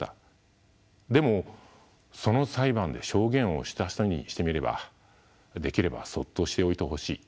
でもその裁判で証言をした人にしてみればできればそっとしておいてほしい。